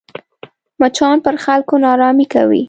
مچان پر خلکو ناارامي کوي